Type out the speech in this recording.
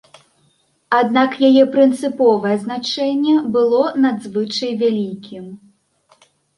Аднак яе прынцыповае значэнне было надзвычай вялікім.